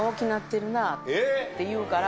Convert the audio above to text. って言うから。